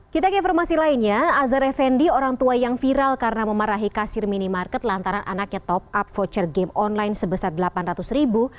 kita ke informasi lainnya azhar effendi orang tua yang viral karena memarahi kasir minimarket lantaran anaknya top up voucher game online sebesar delapan ratus ribu